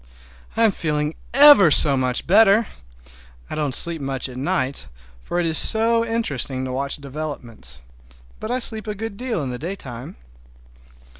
I'm feeling ever so much better! I don't sleep much at night, for it is so interesting to watch developments; but I sleep a good deal in the daytime.